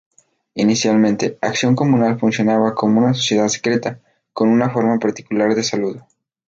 Inicialmente, Acción Comunal funcionaba como una sociedad secreta, con una forma particular de saludo.